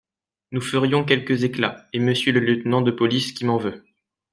Nous ferions quelque éclat, et Monsieur le lieutenant de police qui m’en veut…